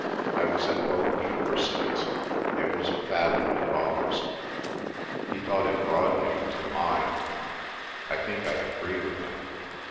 I was at both universities. It was a fad of my father's. He thought it broadening to the mind. I think I agree with him.